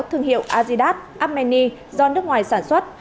thương hiệu azidat apmeni do nước ngoài sản xuất